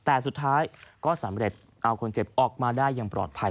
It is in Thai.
แต่สุดท้ายก็สำเร็จเอาคนเจ็บออกมาได้อย่างปลอดภัย